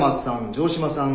城島さん